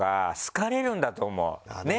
ねっ！